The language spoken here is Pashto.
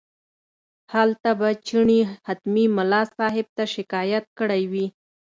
هلته به چڼي حتمي ملا صاحب ته شکایت کړی وي.